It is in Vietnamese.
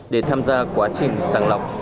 để tham gia quá trình sàng lọc